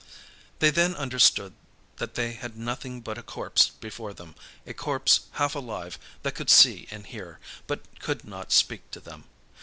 They then understood that they had nothing but a corpse before them, a corpse half alive that could see and hear, but could not speak to them.